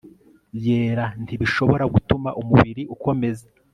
yera ntibishobora gutuma umubiri ukomeza